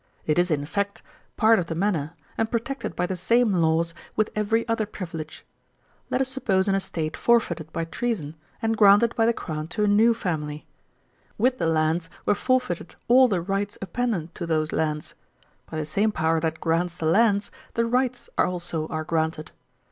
It is, in effect, part of the manor, and protected by the same laws with every other privilege. Let us suppose an estate forfeited by treason, and granted by the Crown to a new family. With the lands were forfeited all the rights appendant to those lands; by the same power that grants the lands, the rights also are granted.